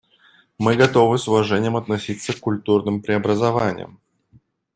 Мы готовы с уважением относиться к культурным преобразованиям.